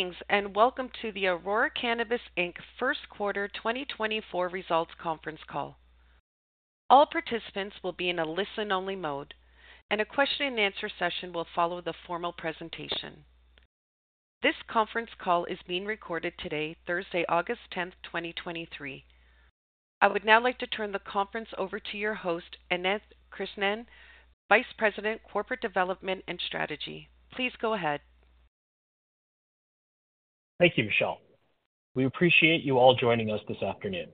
Greetings, and welcome to the Aurora Cannabis Inc. First Quarter 2024 Results Conference Call. All participants will be in a listen-only mode, and a question-and-answer session will follow the formal presentation. This conference call is being recorded today, Thursday, August 10, 2023. I would now like to turn the conference over to your host, Ananth Krishnan, Vice President, Corporate Development and Strategy. Please go ahead. Thank you, Michelle. We appreciate you all joining us this afternoon.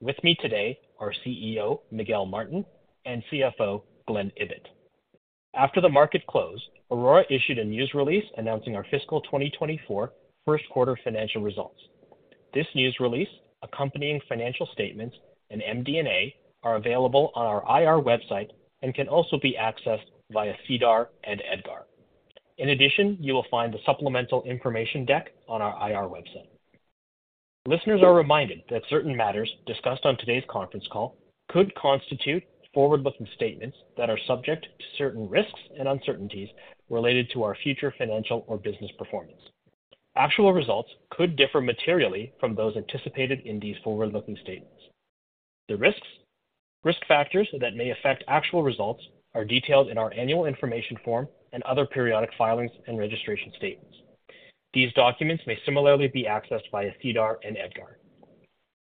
With me today are CEO, Miguel Martin, and CFO, Glen Ibbott. After the market closed, Aurora issued a news release announcing our fiscal 2024 1st quarter financial results. This news release, accompanying financial statements, and MD&A are available on our IR website and can also be accessed via SEDAR and EDGAR. In addition, you will find the supplemental information deck on our IR website. Listeners are reminded that certain matters discussed on today's conference call could constitute forward-looking statements that are subject to certain risks and uncertainties related to our future financial or business performance. Actual results could differ materially from those anticipated in these forward-looking statements. The risks, risk factors that may affect actual results are detailed in our annual information form and other periodic filings and registration statements. These documents may similarly be accessed via SEDAR and EDGAR.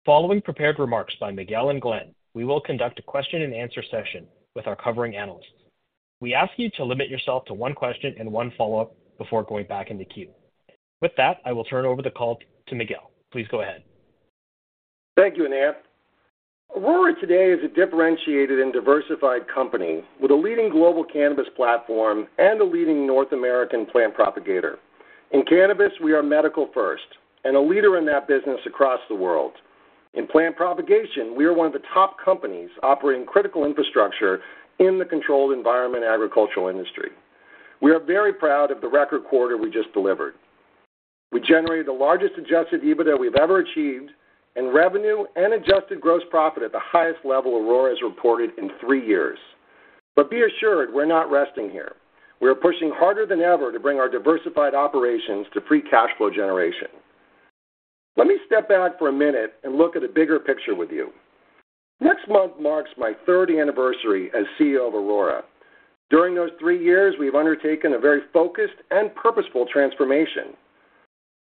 Following prepared remarks by Miguel and Glen, we will conduct a question-and-answer session with our covering analysts. We ask you to limit yourself to one question and one follow-up before going back in the queue. With that, I will turn over the call to Miguel. Please go ahead. Thank you, Ananth. Aurora today is a differentiated and diversified company with a leading global cannabis platform and a leading North American plant propagator. In Cannabis, we are medical first and a leader in that business across the world. In plant propagation, we are one of the top companies operating critical infrastructure in the controlled environment agricultural industry. We are very proud of the record quarter we just delivered. We generated the largest Adjusted EBITDA we've ever achieved, and revenue and adjusted gross profit at the highest level Aurora has reported in three years. Be assured, we're not resting here. We are pushing harder than ever to bring our diversified operations to free cash flow generation. Let me step back for a minute and look at the bigger picture with you. Next month marks my third anniversary as CEO of Aurora. During those three years, we've undertaken a very focused and purposeful transformation.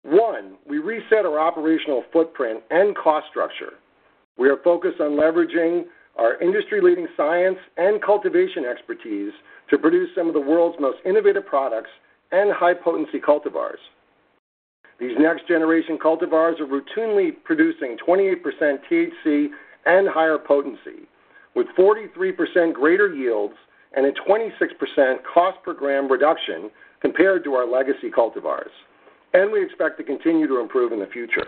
One, we reset our operational footprint and cost structure. We are focused on leveraging our industry-leading science and cultivation expertise to produce some of the world's most innovative products and high-potency cultivars. These next-generation cultivars are routinely producing 28% THC and higher potency, with 43% greater yields and a 26% cost per gram reduction compared to our legacy cultivars. We expect to continue to improve in the future.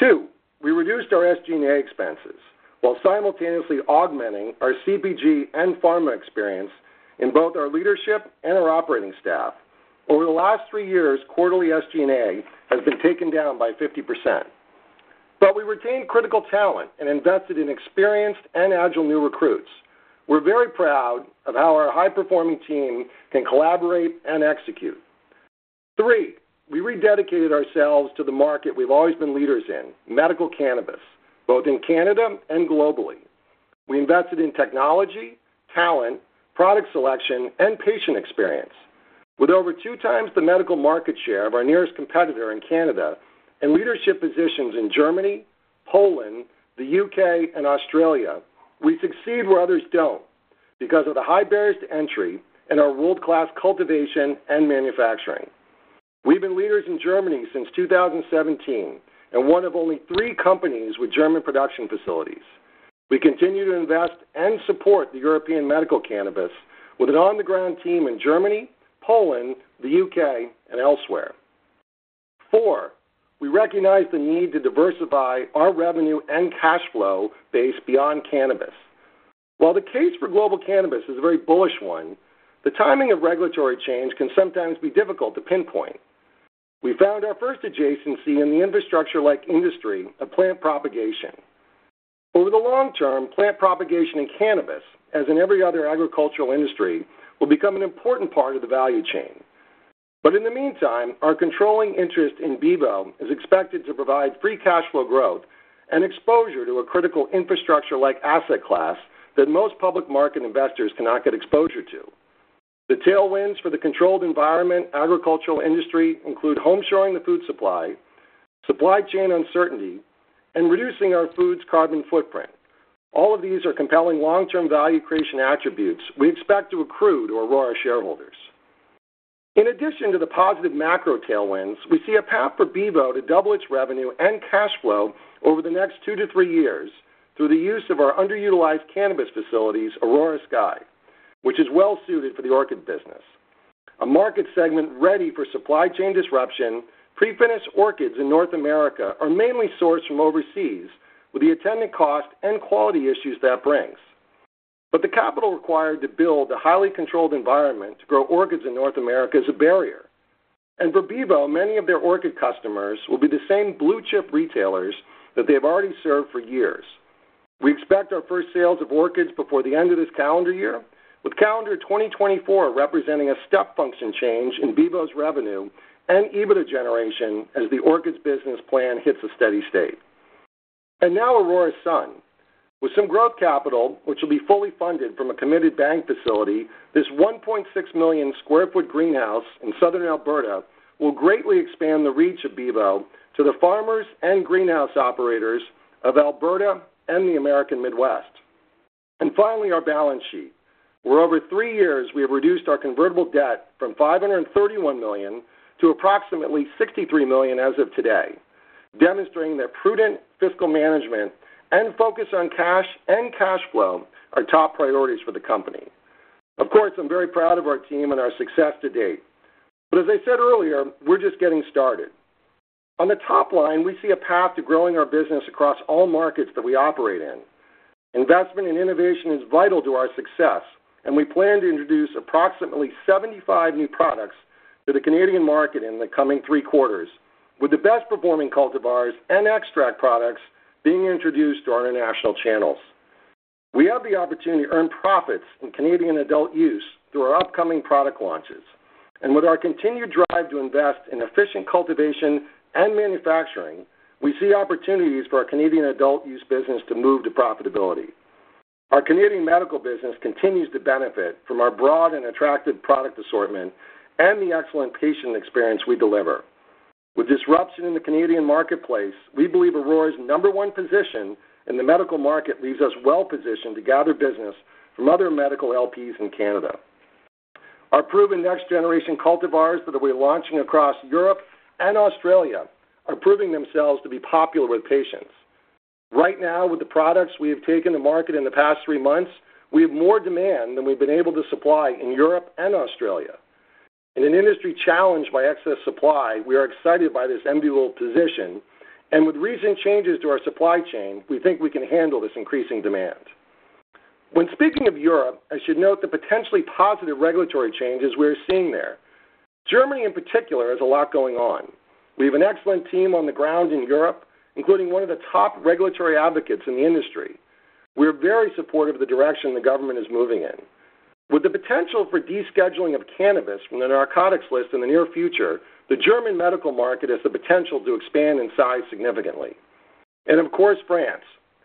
Two, we reduced our SG&A expenses while simultaneously augmenting our CPG and pharma experience in both our leadership and our operating staff. Over the last three years, quarterly SG&A has been taken down by 50%, but we retained critical talent and invested in experienced and agile new recruits. We're very proud of how our high-performing team can collaborate and execute. Three, we rededicated ourselves to the market we've always been leaders in, medical cannabis, both in Canada and globally. We invested in technology, talent, product selection, and patient experience. With over two times the medical market share of our nearest competitor in Canada and leadership positions in Germany, Poland, the U.K., and Australia, we succeed where others don't because of the high barriers to entry and our world-class cultivation and manufacturing. We've been leaders in Germany since 2017 and one of only three companies with German production facilities. We continue to invest and support the European medical cannabis with an on-the-ground team in Germany, Poland, the U.K., and elsewhere. Four, we recognize the need to diversify our revenue and cash flow base beyond cannabis. While the case for global cannabis is a very bullish one, the timing of regulatory change can sometimes be difficult to pinpoint. We found our first adjacency in the infrastructure-like industry of plant propagation. Over the long term, plant propagation in cannabis, as in every other agricultural industry, will become an important part of the value chain. In the meantime, our controlling interest in Bevo is expected to provide free cash flow growth and exposure to a critical infrastructure like asset class that most public market investors cannot get exposure to. The tailwinds for the controlled environment, agricultural industry, include home shoring the food supply, supply chain uncertainty, and reducing our food's carbon footprint. All of these are compelling long-term value creation attributes we expect to accrue to Aurora shareholders. In addition to the positive macro tailwinds, we see a path for Bevo to double its revenue and cash flow over the next two to three years through the use of our underutilized cannabis facilities, Aurora Sky, which is well suited for the orchid business. A market segment ready for supply chain disruption, pre-finished orchids in North America are mainly sourced from overseas, with the attendant cost and quality issues that brings. The capital required to build a highly controlled environment to grow orchids in North America is a barrier. For Bevo, many of their orchid customers will be the same blue-chip retailers that they have already served for years. We expect our first sales of orchids before the end of this calendar year, with calendar 2024 representing a step function change in Bevo's revenue and EBITDA generation as the orchids business plan hits a steady state. Now Aurora Sun. With some growth capital, which will be fully funded from a committed bank facility, this 1.6 million sq ft greenhouse in southern Alberta will greatly expand the reach of Bevo to the farmers and greenhouse operators of Alberta and the American Midwest. Finally, our balance sheet, where over three years we have reduced our convertible debt from 531 million to approximately 63 million as of today, demonstrating that prudent fiscal management and focus on cash and cash flow are top priorities for the company. Of course, I'm very proud of our team and our success to date, but as I said earlier, we're just getting started. On the top line, we see a path to growing our business across all markets that we operate in. Investment in innovation is vital to our success. We plan to introduce approximately 75 new products to the Canadian market in the coming three quarters, with the best performing cultivars and extract products being introduced to our international channels. We have the opportunity to earn profits in Canadian adult use through our upcoming product launches. With our continued drive to invest in efficient cultivation and manufacturing, we see opportunities for our Canadian adult use business to move to profitability. Our Canadian medical business continues to benefit from our broad and attractive product assortment and the excellent patient experience we deliver. With disruption in the Canadian marketplace, we believe Aurora's number 1 position in the medical market leaves us well positioned to gather business from other medical LPs in Canada. Our proven next generation cultivars that we're launching across Europe and Australia are proving themselves to be popular with patients. Right now, with the products we have taken to market in the past three months, we have more demand than we've been able to supply in Europe and Australia. In an industry challenged by excess supply, we are excited by this enviable position, and with recent changes to our supply chain, we think we can handle this increasing demand. When speaking of Europe, I should note the potentially positive regulatory changes we are seeing there. Germany, in particular, has a lot going on. We have an excellent team on the ground in Europe, including one of the top regulatory advocates in the industry. We're very supportive of the direction the government is moving in. With the potential for descheduling of cannabis from the narcotics list in the near future, the German medical market has the potential to expand in size significantly. Of course, France,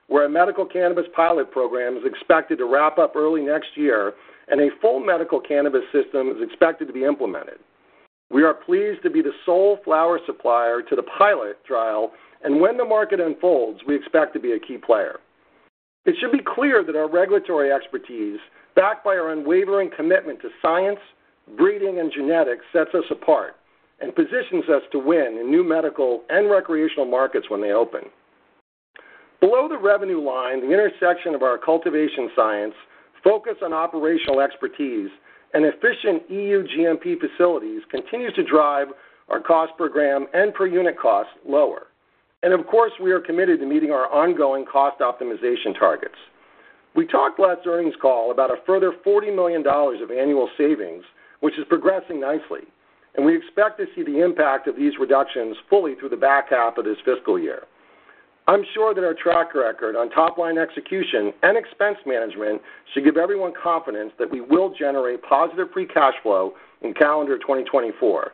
where a medical cannabis pilot programme is expected to wrap up early next year and a full medical cannabis system is expected to be implemented. We are pleased to be the sole flower supplier to the pilot trial, and when the market unfolds, we expect to be a key player. It should be clear that our regulatory expertise, backed by our unwavering commitment to science, breeding, and genetics, sets us apart and positions us to win in new medical and recreational markets when they open. Below the revenue line, the intersection of our cultivation, science, focus on operational expertise, and efficient EU GMP facilities continues to drive our cost per gram and per unit cost lower. Of course, we are committed to meeting our ongoing cost optimization targets. We talked last earnings call about a further 40 million dollars of annual savings, which is progressing nicely, and we expect to see the impact of these reductions fully through the back half of this fiscal year. I'm sure that our track record on top-line execution and expense management should give everyone confidence that we will generate positive free cash flow in calendar 2024.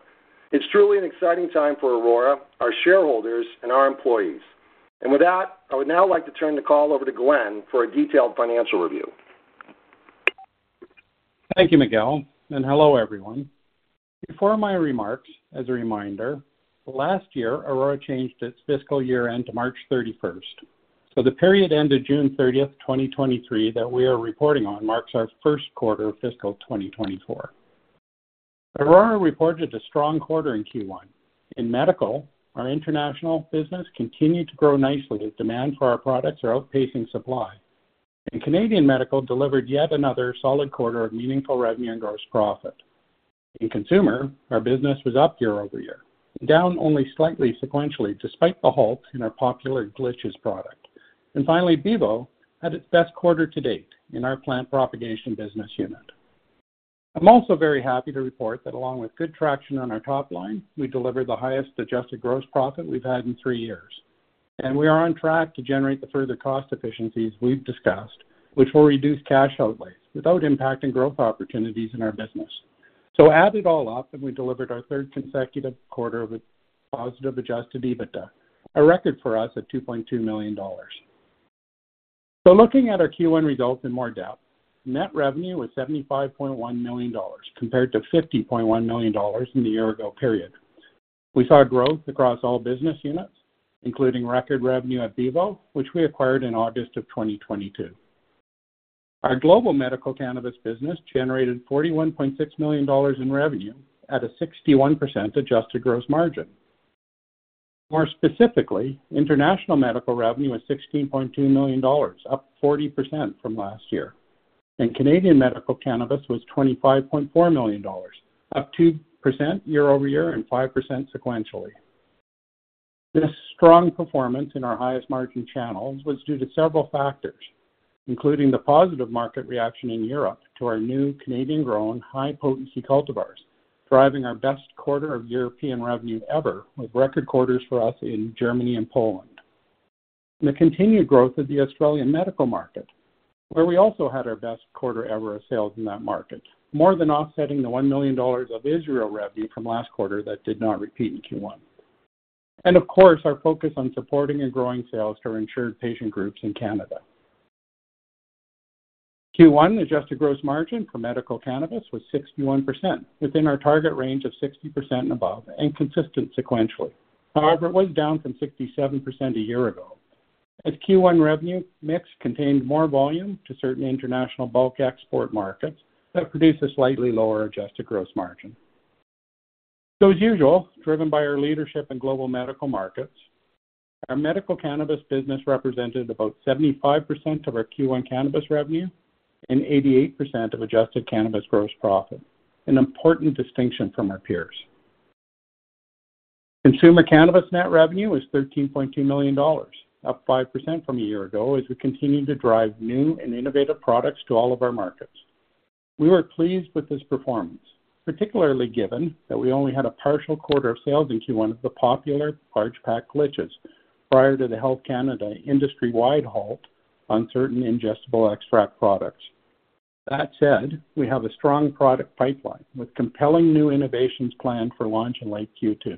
It's truly an exciting time for Aurora, our shareholders, and our employees. With that, I would now like to turn the call over to Glen for a detailed financial review. Thank you, Miguel. Hello, everyone. Before my remarks, as a reminder, last year, Aurora changed its fiscal year-end to March 31st. The period ended June 30th, 2023, that we are reporting on, marks our first quarter of fiscal 2024. Aurora reported a strong quarter in Q1. In medical, our international business continued to grow nicely, as demand for our products are outpacing supply. Canadian medical delivered yet another solid quarter of meaningful revenue and gross profit. In consumer, our business was up year-over-year, down only slightly sequentially, despite the halt in our popular Glitches product. Finally, Bevo had its best quarter to date in our plant propagation business unit. I'm also very happy to report that along with good traction on our top line, we delivered the highest adjusted gross profit we've had in three years, we are on track to generate the further cost efficiencies we've discussed, which will reduce cash outlays without impacting growth opportunities in our business. Add it all up, we delivered our third consecutive quarter of a positive Adjusted EBITDA, a record for us at $2.2 million. Looking at our Q1 results in more depth, net revenue was $75.1 million, compared to $50.1 million in the year ago period. We saw growth across all business units, including record revenue at Bevo, which we acquired in August 2022. Our global medical cannabis business generated $41.6 million in revenue at a 61% adjusted gross margin. More specifically, international medical revenue was 16.2 million dollars, up 40% from last year, and Canadian medical cannabis was 25.4 million dollars, up 2% year-over-year and 5% sequentially. This strong performance in our highest margin channels was due to several factors. including the positive market reaction in Europe to our new Canadian-grown, high-potency cultivars, driving our best quarter of European revenue ever, with record quarters for us in Germany and Poland. The continued growth of the Australian medical market, where we also had our best quarter ever of sales in that market, more than offsetting the 1 million dollars of Israel revenue from last quarter that did not repeat in Q1. Of course, our focus on supporting and growing sales to our insured patient groups in Canada. Q1 adjusted gross margin for medical cannabis was 61%, within our target range of 60% and above, and consistent sequentially. However, it was down from 67% a year ago, as Q1 revenue mix contained more volume to certain international bulk export markets that produced a slightly lower adjusted gross margin. As usual, driven by our leadership in global medical markets, our medical cannabis business represented about 75% of our Q1 cannabis revenue and 88% of adjusted cannabis gross profit, an important distinction from our peers. Consumer cannabis net revenue was $13.2 million, up 5% from a year ago, as we continued to drive new and innovative products to all of our markets. We were pleased with this performance, particularly given that we only had a partial quarter of sales in Q1 of the popular large pack Glitches prior to the Health Canada industry-wide halt on certain ingestible extract products. That said, we have a strong product pipeline with compelling new innovations planned for launch in late Q2.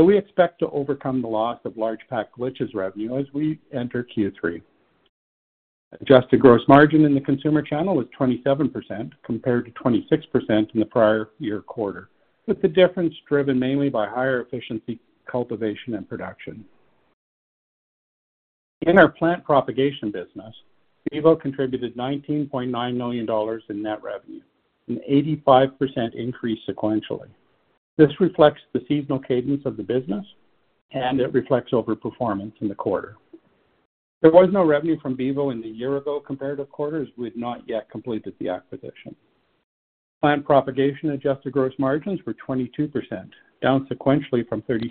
We expect to overcome the loss of large pack Glitches revenue as we enter Q3. Adjusted gross margin in the consumer channel was 27%, compared to 26% in the prior year quarter, with the difference driven mainly by higher efficiency, cultivation, and production. In our plant propagation business, Bevo contributed 19.9 million dollars in net revenue, an 85% increase sequentially. This reflects the seasonal cadence of the business. It reflects overperformance in the quarter. There was no revenue from Bevo in the year-ago comparative quarter, as we had not yet completed the acquisition. Plant propagation adjusted gross margins were 22%, down sequentially from 36%,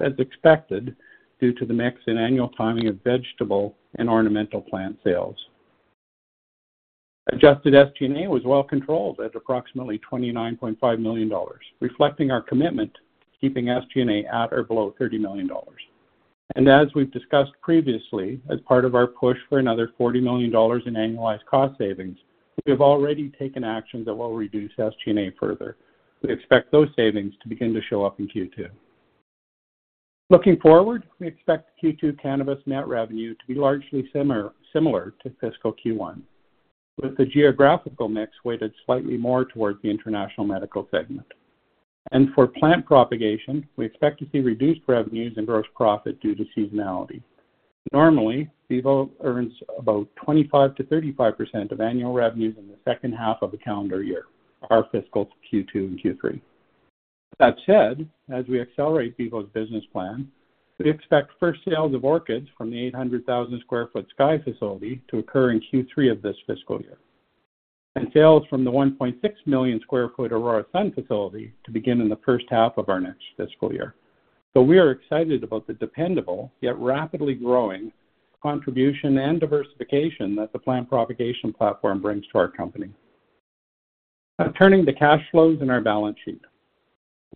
as expected, due to the mix in annual timing of vegetable and ornamental plant sales. Adjusted SG&A was well controlled at approximately 29.5 million dollars, reflecting our commitment to keeping SG&A at or below 30 million dollars. As we've discussed previously, as part of our push for another 40 million dollars in annualized cost savings, we have already taken actions that will reduce SG&A further. We expect those savings to begin to show up in Q2. Looking forward, we expect Q2 cannabis net revenue to be largely similar to fiscal Q1, with the geographical mix weighted slightly more towards the international medical segment. For plant propagation, we expect to see reduced revenues and gross profit due to seasonality. Normally, Bevo earns about 25%-35% of annual revenues in the second half of the calendar year, our fiscal Q2 and Q3. That said, as we accelerate Bevo's business plan, we expect first sales of orchids from the 800,000 sq ft Sky Facility to occur in Q3 of this fiscal year, and sales from the 1.6 million sq ft Aurora Sun facility to begin in the first half of our next fiscal year. We are excited about the dependable, yet rapidly growing, contribution and diversification that the plant propagation platform brings to our company. Now turning to cash flows and our balance sheet.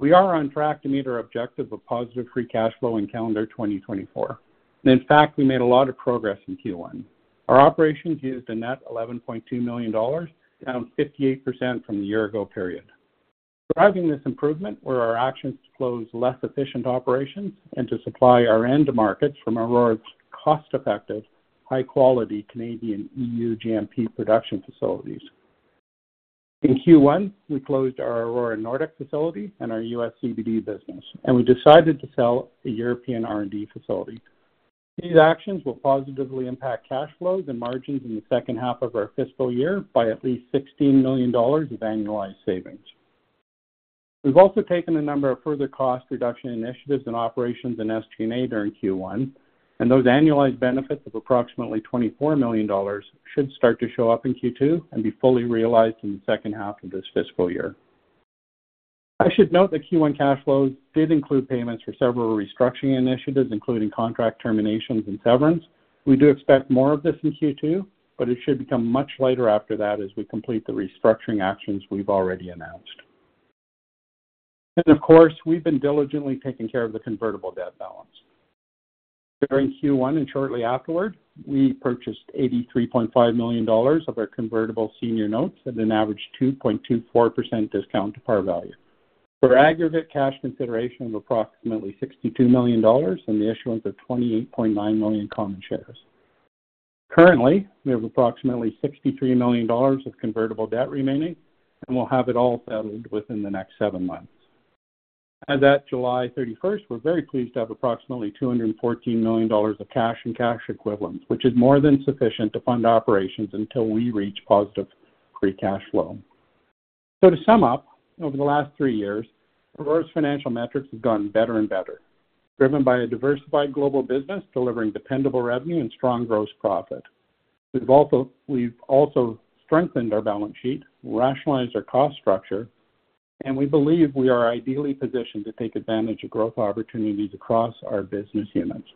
We are on track to meet our objective of positive free cash flow in calendar 2024, and in fact, we made a lot of progress in Q1. Our operations used a net 11.2 million dollars, down 58% from the year-ago period. Driving this improvement were our actions to close less efficient operations and to supply our end markets from Aurora's cost-effective, high-quality Canadian EU GMP production facilities. In Q1, we closed our Aurora Nordic facility and our U.S. CBD business, and we decided to sell the European R&D facility. These actions will positively impact cash flows and margins in the second half of our fiscal year by at least 16 million dollars of annualized savings. We've also taken a number of further cost reduction initiatives in operations and SG&A during Q1. Those annualized benefits of approximately 24 million dollars should start to show up in Q2 and be fully realized in the second half of this fiscal year. I should note that Q1 cash flows did include payments for several restructuring initiatives, including contract terminations and severance. We do expect more of this in Q2, but it should become much lighter after that as we complete the restructuring actions we've already announced. Of course, we've been diligently taking care of the convertible debt balance. During Q1 and shortly afterward, we purchased 83.5 million dollars of our convertible senior notes at an average 2.24% discount to par value, for aggregate cash consideration of approximately 62 million dollars and the issuance of 28.9 million common shares. Currently, we have approximately 63 million dollars of convertible debt remaining, and we'll have it all settled within the next 7 months. As at July 31st, we're very pleased to have approximately 214 million dollars of cash and cash equivalents, which is more than sufficient to fund operations until we reach positive free cash flow. To sum up, over the last 3 years, Aurora's financial metrics have gotten better and better, driven by a diversified global business, delivering dependable revenue and strong gross profit. We've also, we've also strengthened our balance sheet, rationalized our cost structure.... We believe we are ideally positioned to take advantage of growth opportunities across our business units.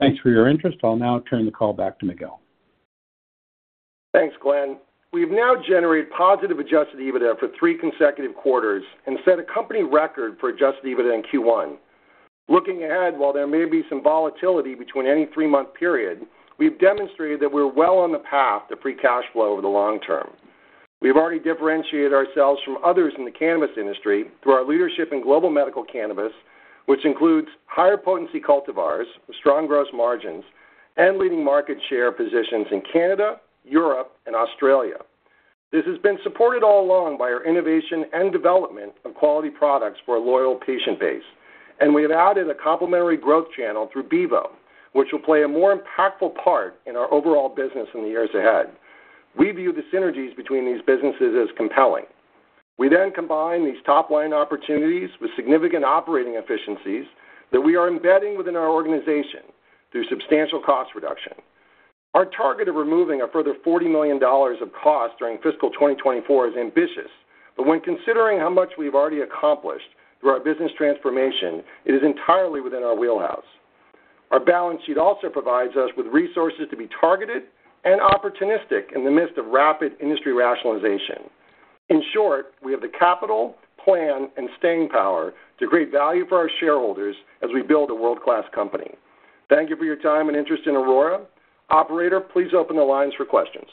Thanks for your interest. I'll now turn the call back to Miguel. Thanks, Glen. We've now generated positive Adjusted EBITDA for three consecutive quarters and set a company record for Adjusted EBITDA in Q1. Looking ahead, while there may be some volatility between any three-month period, we've demonstrated that we're well on the path to free cash flow over the long term. We've already differentiated ourselves from others in the cannabis industry through our leadership in global medical cannabis, which includes higher potency cultivars, strong gross margins, and leading market share positions in Canada, Europe, and Australia. This has been supported all along by our innovation and development of quality products for a loyal patient base. We have added a complementary growth channel through Bevo, which will play a more impactful part in our overall business in the years ahead. We view the synergies between these businesses as compelling. We combine these top-line opportunities with significant operating efficiencies that we are embedding within our organization through substantial cost reduction. Our target of removing a further 40 million dollars of costs during fiscal 2024 is ambitious, but when considering how much we've already accomplished through our business transformation, it is entirely within our wheelhouse. Our balance sheet also provides us with resources to be targeted and opportunistic in the midst of rapid industry rationalization. In short, we have the capital, plan, and staying power to create value for our shareholders as we build a world-class company. Thank you for your time and interest in Aurora. Operator, please open the lines for questions.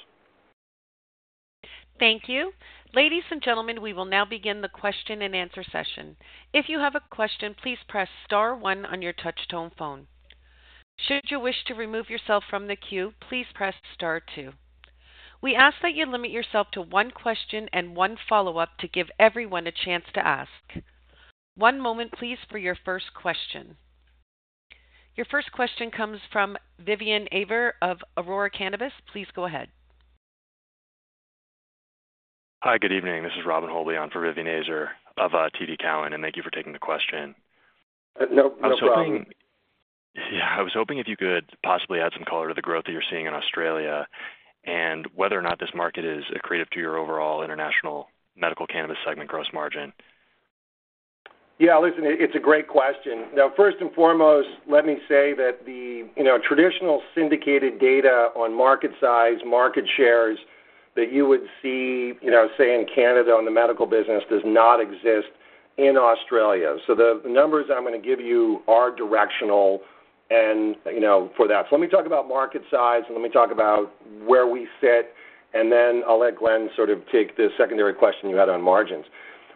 Thank you. Ladies and gentlemen, we will now begin the question-and-answer session. If you have a question, please press Star One on your touchtone phone. Should you wish to remove yourself from the queue, please press Star Two. We ask that you limit yourself to one question and one follow-up to give everyone a chance to ask. One moment, please, for your first question. Your first question comes from Vivien Azer of Aurora Cannabis. Please go ahead. Hi, good evening. This is Robin Holbian for Vivian Azer of TD Cowen. Thank you for taking the question. No, no problem. Yeah, I was hoping if you could possibly add some color to the growth that you're seeing in Australia and whether or not this market is accretive to your overall international medical cannabis segment gross margin? Yeah, listen, it, it's a great question. First and foremost, let me say that the, you know, traditional syndicated data on market size, market shares that you would see, you know, say, in Canada on the medical business, does not exist in Australia. The, the numbers I'm gonna give you are directional and, you know, for that. Let me talk about market size, and let me talk about where we fit, and then I'll let Glen sort of take the secondary question you had on margins.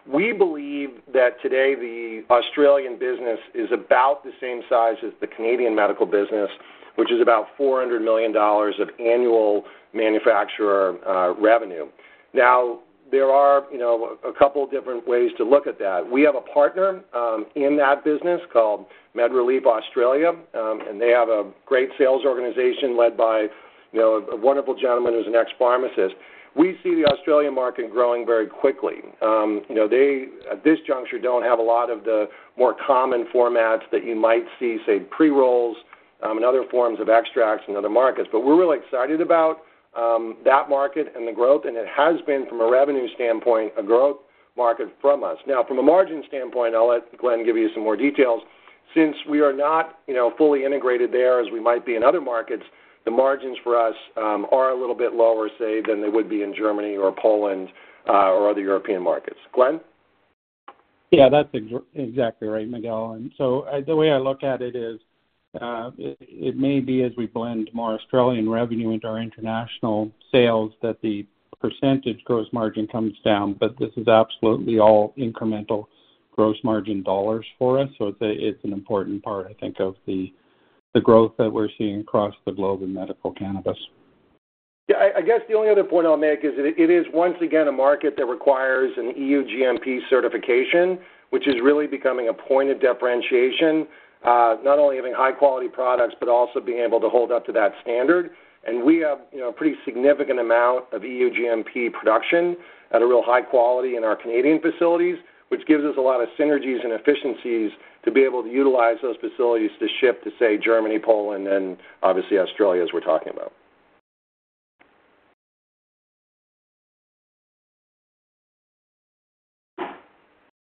We believe that today the Australian business is about the same size as the Canadian medical business, which is about 400 million dollars of annual manufacturer revenue. There are, you know, a, a couple different ways to look at that. We have a partner in that business called MedReleaf Australia, and they have a great sales organization led by, you know, a wonderful gentleman who's an ex-pharmacist. We see the Australian market growing very quickly. You know, they, at this juncture, don't have a lot of the more common formats that you might see, say, pre-rolls, and other forms of extracts in other markets. We're really excited about that market and the growth, and it has been, from a revenue standpoint, a growth market from us. Now, from a margin standpoint, I'll let Glen give you some more details. Since we are not, you know, fully integrated there as we might be in other markets, the margins for us are a little bit lower, say, than they would be in Germany or Poland or other European markets. Glen? Yeah, that's exactly right, Miguel. The way I look at it is, it may be, as we blend more Australian revenue into our international sales, that the percentage gross margin comes down, but this is absolutely all incremental gross margin dollars for us. It's an important part, I think, of the growth that we're seeing across the globe in medical cannabis. Yeah, I, I guess the only other point I'll make is that it, it is, once again, a market that requires an EU GMP certification, which is really becoming a point of differentiation. Not only having high-quality products, but also being able to hold up to that standard. We have, you know, a pretty significant amount of EU GMP production at a real high quality in our Canadian facilities, which gives us a lot of synergies and efficiencies to be able to utilize those facilities to ship to, say, Germany, Poland, and obviously Australia, as we're talking about.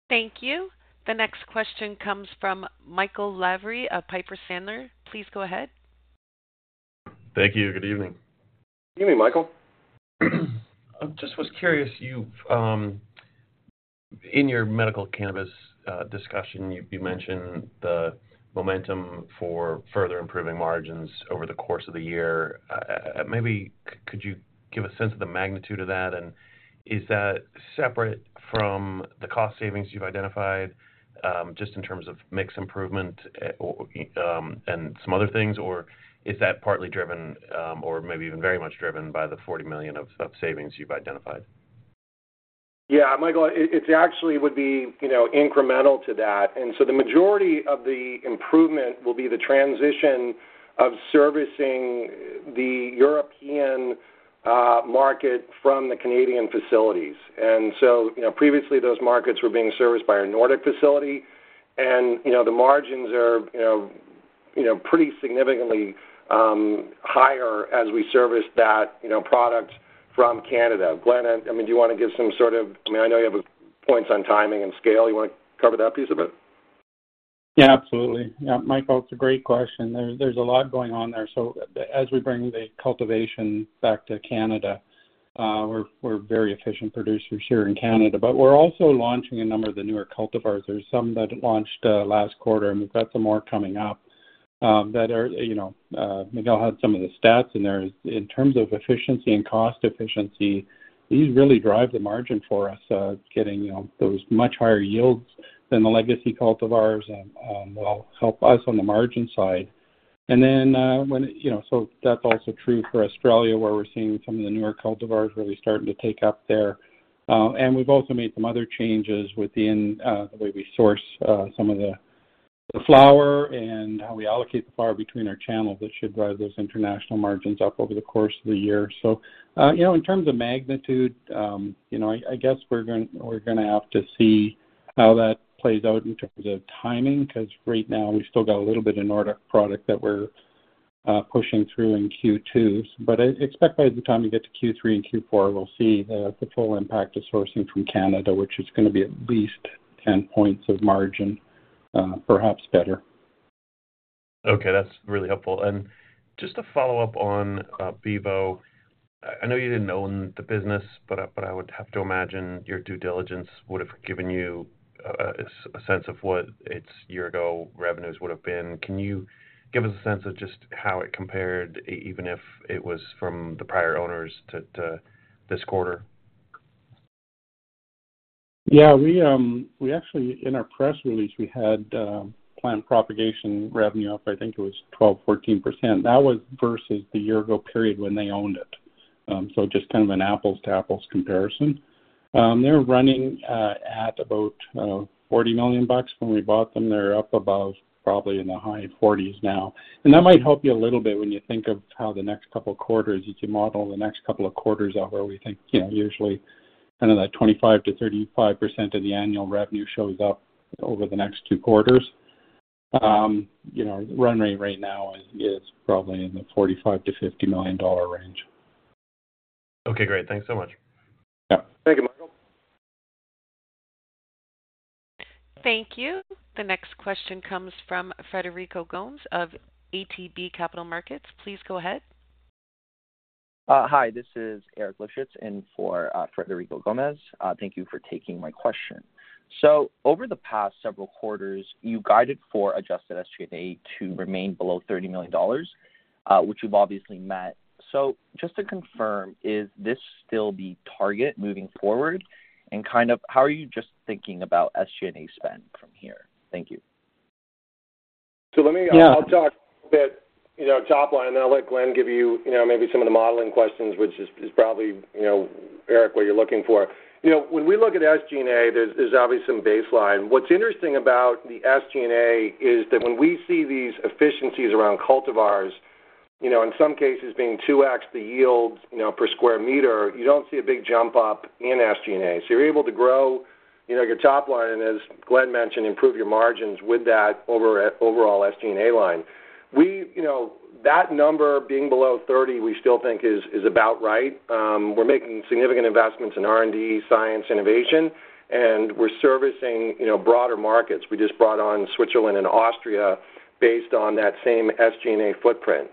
Thank you. The next question comes from Michael Lavery of Piper Sandler. Please go ahead. Thank you. Good evening. Good evening, Michael. I just was curious, you, in your medical cannabis discussion, you, you mentioned the momentum for further improving margins over the course of the year. Maybe could you give a sense of the magnitude of that? Is that separate from the cost savings you've identified, just in terms of mix improvement, or, and some other things, or is that partly driven, or maybe even very much driven by the 40 million of savings you've identified? Yeah, Michael, it, it actually would be, you know, incremental to that. The majority of the improvement will be the transition of servicing the European market from the Canadian facilities. Previously, you know, those markets were being serviced by our Nordic facility, and, you know, the margins are, you know, you know, pretty significantly higher as we service that, you know, product from Canada. Glen, I, I mean, do you want to give some sort of, I mean, I know you have points on timing and scale. You want to cover that piece of it? Yeah, absolutely. Yeah, Michael, it's a great question. There's a lot going on there. As we bring the cultivation back to Canada, we're very efficient producers here in Canada, but we're also launching a number of the newer cultivars. There's some that launched last quarter, and we've got some more coming up that are, you know, Miguel had some of the stats in there. In terms of efficiency and cost efficiency, these really drive the margin for us, getting, you know, those much higher yields than the legacy cultivars and will help us on the margin side. When, you know, so that's also true for Australia, where we're seeing some of the newer cultivars really starting to take up there. We've also made some other changes within the way we source some of the, the flower and how we allocate the flower between our channels. That should drive those international margins up over the course of the year. You know, in terms of magnitude, you know, I guess we're gonna have to see how that plays out in terms of timing, because right now, we've still got a little bit of Nordic product that we're pushing through in Q2. I expect by the time we get to Q3 and Q4, we'll see the full impact of sourcing from Canada, which is gonna be at least 10 points of margin, perhaps better. Okay, that's really helpful. Just to follow up on Bevo, I know you didn't own the business, but I would have to imagine your due diligence would have given you a sense of what its year-ago revenues would have been. Can you give us a sense of just how it compared, even if it was from the prior owners, to this quarter? Yeah, we, we actually, in our press release, we had plant propagation revenue up. I think it was 12%-14%. That was versus the year-ago period when they owned it. Just kind of an apples-to-apples comparison. They were running at about 40 million bucks when we bought them. They're up about probably in the high forties now. That might help you a little bit when you think of how the next couple of quarters, you can model the next couple of quarters out, where we think, you know, usually kind of that 25%-35% of the annual revenue shows up over the next 2 quarters. You know, run rate right now is probably in the 45 million-50 million dollar range. Okay, great. Thanks so much. Yeah. Thank you, Michael. Thank you. The next question comes from Federico Gomes of ATB Capital Markets. Please go ahead. Hi, this is Eric Lifshitz in for Federico Gomes. Thank you for taking my question. Over the past several quarters, you guided for adjusted SG&A to remain below 30 million dollars, which you've obviously met. Just to confirm, is this still the target moving forward? Kind of how are you just thinking about SG&A spend from here? Thank you. let me- Yeah. I'll talk a bit, you know, top line, and I'll let Glen give you, you know, maybe some of the modeling questions, which is, is probably, you know, Eric, what you're looking for. When we look at SG&A, there's obviously some baseline. What's interesting about the SG&A is that when we see these efficiencies around cultivars, you know, in some cases being 2x, the yields, you know, per square meter, you don't see a big jump up in SG&A. You're able to grow, you know, your top line, and as Glen mentioned, improve your margins with that overall SG&A line. That number being below 30, we still think is about right. We're making significant investments in R&D, science, innovation, and we're servicing, you know, broader markets. We just brought on Switzerland and Austria based on that same SG&A footprint.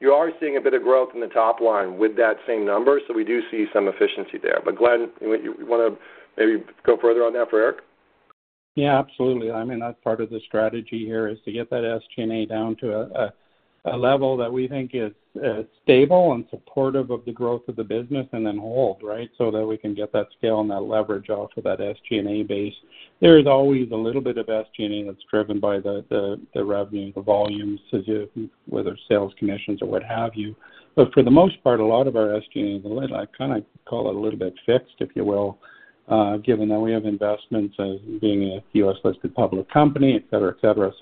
You are seeing a bit of growth in the top line with that same number, so we do see some efficiency there. Glen, you want to maybe go further on that for Eric? Yeah, absolutely. I mean, that's part of the strategy here, is to get that SG&A down to a, a, a level that we think is stable and supportive of the growth of the business, and then hold, right? That we can get that scale and that leverage out of that SG&A base. There is always a little bit of SG&A that's driven by the, the, the revenue, the volumes, so whether it's sales commissions or what have you. For the most part, a lot of our SG&A, I kind of call it a little bit fixed, if you will, given that we have investments as being a U.S.-listed public company, et cetera, et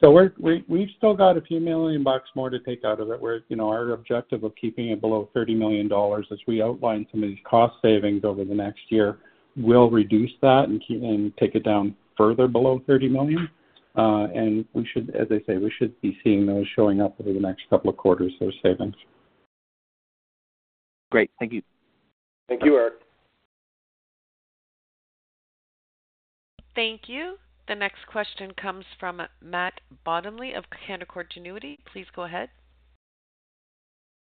cetera. We've still got a few million bucks more to take out of it, where, you know, our objective of keeping it below 30 million dollars as we outline some of these cost savings over the next year, will reduce that and take it down further below 30 million. We should, as I say, we should be seeing those showing up over the next couple of quarters, those savings. Great. Thank you. Thank you, Eric. Thank you. The next question comes from Matt Bottomley of Canaccord Genuity. Please go ahead.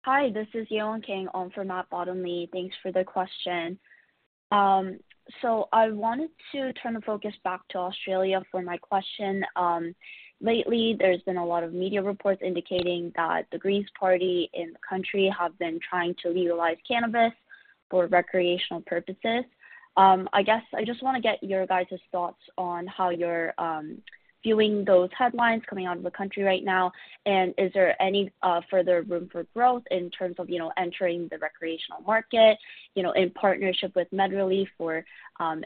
Hi, this is Yewon Kang on for Matt Bottomley. Thanks for the question. I wanted to turn the focus back to Australia for my question. Lately, there's been a lot of media reports indicating that the Australian Greens in the country have been trying to legalize cannabis for recreational purposes. I guess I just want to get your guys' thoughts on how you're viewing those headlines coming out of the country right now, and is there any further room for growth in terms of, you know, entering the recreational market, you know, in partnership with MedReleaf or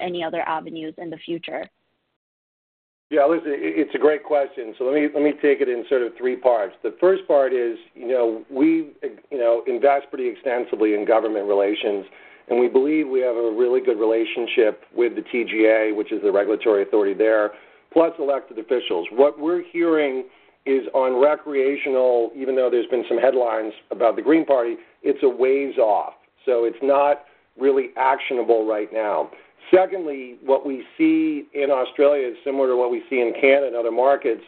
any other avenues in the future? Yeah, listen, it, it's a great question, so let me, let me take it in sort of three parts. The first part is, you know, we, you know, invest pretty extensively in government relations, and we believe we have a really good relationship with the TGA, which is the regulatory authority there, plus elected officials. What we're hearing is on recreational, even though there's been some headlines about the Green Party, it's a ways off, so it's not really actionable right now. Secondly, what we see in Australia is similar to what we see in Canada and other markets,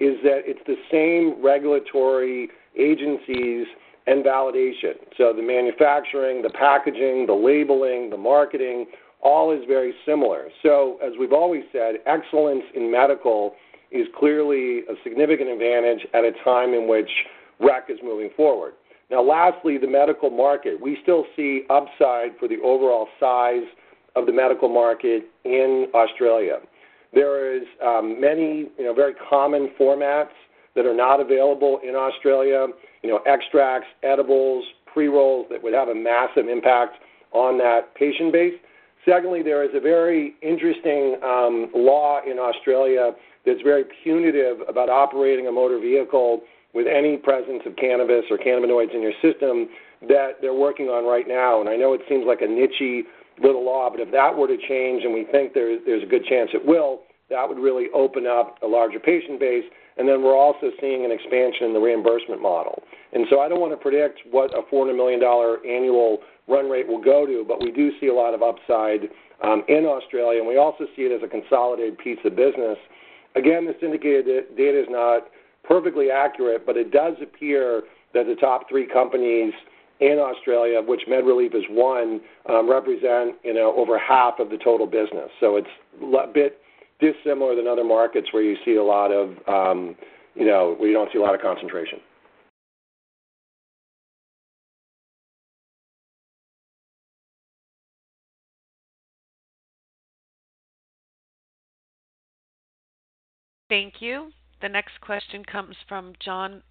is that it's the same regulatory agencies and validation. So the manufacturing, the packaging, the labeling, the marketing, all is very similar. So as we've always said, excellence in medical is clearly a significant advantage at a time in which rec is moving forward. Now, lastly, the medical market. We still see upside for the overall size of the medical market in Australia. There is, many, you know, very common formats that are not available in Australia, you know, extracts, edibles, pre-rolls, that would have a massive impact on that patient base. Secondly, there is a very interesting, law in Australia that's very punitive about operating a motor vehicle with any presence of cannabis or cannabinoids in your system that they're working on right now. I know it seems like a niche-y little law, but if that were to change, and we think there, there's a good chance it will, that would really open up a larger patient base. Then we're also seeing an expansion in the reimbursement model. I don't want to predict what a 400 million dollar annual run rate will go to, but we do see a lot of upside in Australia, and we also see it as a consolidated piece of business. Again, this indicated that data is not perfectly accurate, but it does appear that the top three companies in Australia, of which MedReleaf is one, represent, you know, over half of the total business. It's a bit dissimilar than other markets, where you see a lot of, you know, where you don't see a lot of concentration. Thank you. The next question comes from John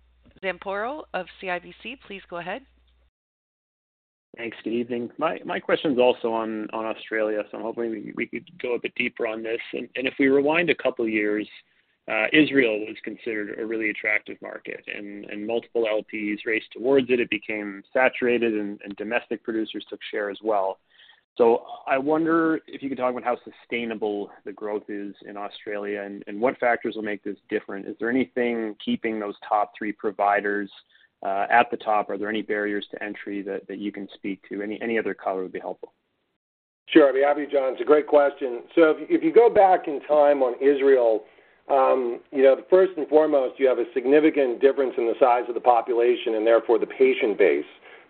Zamparo of CIBC. Please go ahead. Thanks. Good evening. My question is also on Australia, so hopefully we can go a bit deeper on this. If we rewind a couple of years, Israel was considered a really attractive market, and multiple LPs raced towards it. It became saturated and domestic producers took share as well. I wonder if you could talk about how sustainable the growth is in Australia, and what factors will make this different. Is there anything keeping those top three providers at the top? Are there any barriers to entry that you can speak to? Any other color would be helpful. Sure. I'd be happy, John. It's a great question. If you, if you go back in time on Israel, you know, first and foremost, you have a significant difference in the size of the population and therefore the patient base.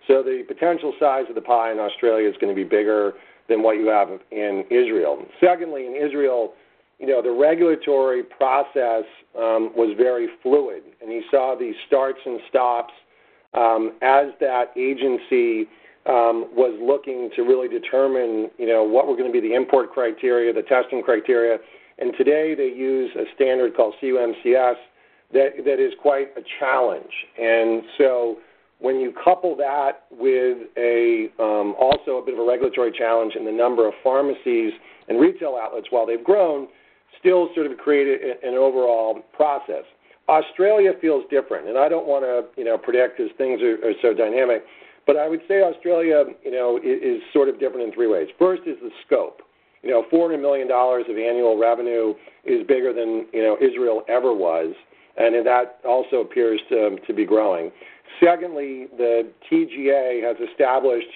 The potential size of the pie in Australia is going to be bigger than what you have in Israel. Secondly, in Israel, you know, the regulatory process was very fluid, and you saw these starts and stops as that agency was looking to really determine, you know, what were going to be the import criteria, the testing criteria. Today, they use a standard called CMCS, that, that is quite a challenge. When you couple that with a, also a bit of a regulatory challenge in the number of pharmacies and retail outlets, while they've grown, still sort of created an overall process. Australia feels different. I don't want to, you know, predict as things are so dynamic, but I would say Australia, you know, is sort of different in three ways. First is the scope. You know, 400 million dollars of annual revenue is bigger than, you know, Israel ever was, and that also appears to be growing. Secondly, the TGA has established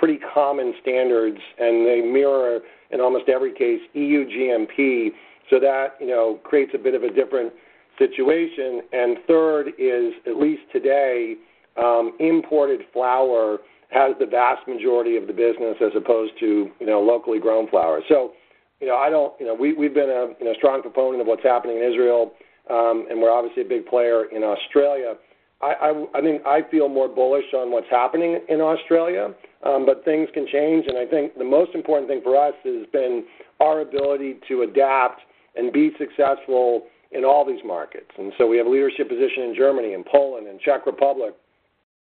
pretty common standards, and they mirror, in almost every case, EU GMP, so that, you know, creates a bit of a different situation. Third is, at least today, imported flower has the vast majority of the business as opposed to, you know, locally grown flowers. You know, I don't... You know, we, we've been a, a strong proponent of what's happening in Israel, and we're obviously a big player in Australia. I, I, I mean, I feel more bullish on what's happening in Australia, but things can change, and I think the most important thing for us has been our ability to adapt and be successful in all these markets. We have a leadership position in Germany, and Poland, and Czech Republic.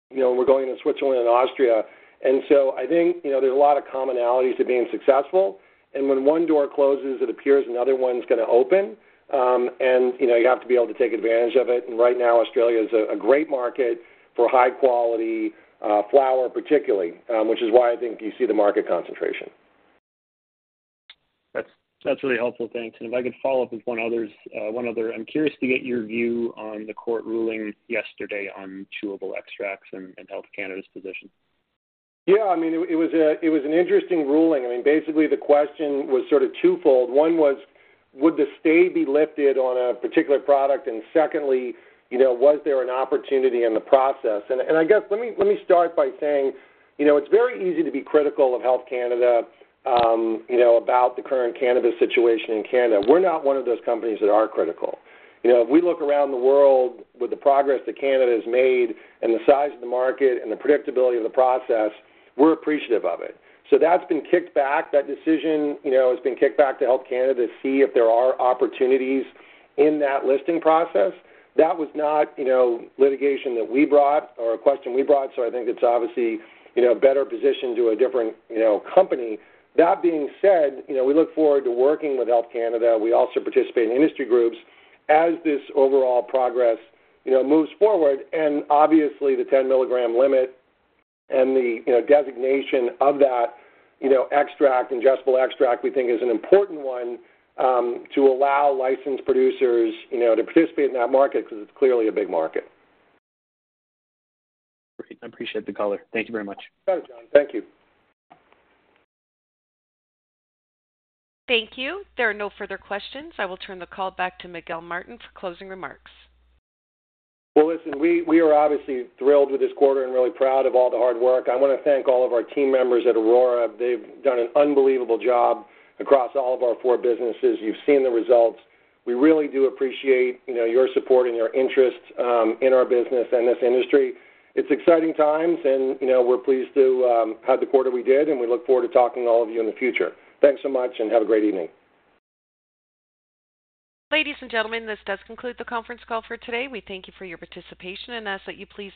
You know, we're going to Switzerland and Austria. I think, you know, there's a lot of commonalities to being successful, and when one door closes, it appears another one's going to open. You know, you have to be able to take advantage of it. Right now, Australia is a great market for high-quality flower, particularly, which is why I think you see the market concentration. That's, that's really helpful. Thanks. If I could follow up with one others, one other: I'm curious to get your view on the court ruling yesterday on chewable extracts and, and Health Canada's position. Yeah, I mean, it, it was a, it was an interesting ruling. I mean, basically, the question was sort of twofold. One was, would the stay be lifted on a particular product? Secondly, you know, was there an opportunity in the process? I guess, let me, let me start by saying, you know, it's very easy to be critical of Health Canada, you know, about the current cannabis situation in Canada. We're not one of those companies that are critical. You know, if we look around the world, with the progress that Canada has made and the size of the market and the predictability of the process, we're appreciative of it. That's been kicked back. That decision, you know, has been kicked back to Health Canada to see if there are opportunities in that listing process. That was not, you know, litigation that we brought or a question we brought, so I think it's obviously, you know, better positioned to a different, you know, company. That being said, you know, we look forward to working with Health Canada. We also participate in industry groups as this overall progress, you know, moves forward. Obviously, the 10-milligram limit and the, you know, designation of that, you know, extract, ingestible extract, we think is an important one, to allow licensed producers, you know, to participate in that market, because it's clearly a big market. Great. I appreciate the color. Thank you very much. Got it, John. Thank you. Thank you. There are no further questions. I will turn the call back to Miguel Martin for closing remarks. Well, listen, we, we are obviously thrilled with this quarter and really proud of all the hard work. I want to thank all of our team members at Aurora. They've done an unbelievable job across all of our four businesses. You've seen the results. We really do appreciate, you know, your support and your interest, in our business and this industry. It's exciting times, and, you know, we're pleased to, have the quarter we did, and we look forward to talking to all of you in the future. Thanks so much, and have a great evening. Ladies and gentlemen, this does conclude the conference call for today. We thank you for your participation and ask that you please.